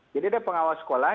jadi ada pengawas sekolah